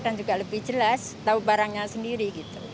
dan juga lebih jelas tahu barangnya sendiri